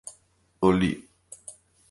Oli.